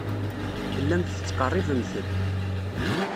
Tellamt tettqerribemt-d.